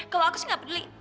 kalo aku sih gak peduli